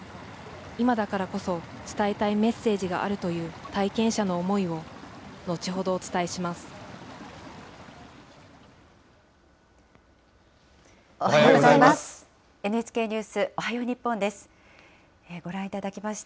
今だからこそ伝えたいメッセージがあるという体験者の思いを、後おはようございます。